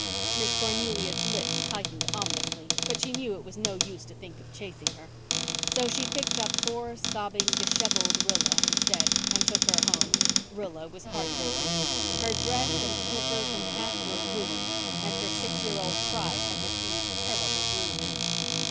Miss Cornelia's lips tightened ominously, but she knew it was no use to think of chasing her. So she picked up poor, sobbing, dishevelled Rilla instead and took her home. Rilla was heart broken. Her dress and slippers and hat were ruined and her six year old pride had received terrible bruises.